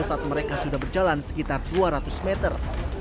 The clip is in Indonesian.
saat mereka sudah berjalan sekitar dua ratus meter